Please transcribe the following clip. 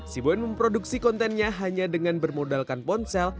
sibuen memproduksi kontennya hanya dengan bermodalkan ponsel